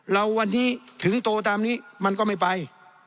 เราวันนี้ถึงโตตามนี้มันก็ไม่ไป